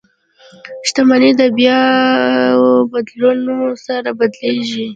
شتمني د بیو بدلون سره بدلیږي.